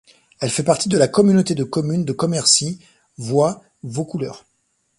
Elle fait partie de la Communauté de communes de Commercy - Void - Vaucouleurs.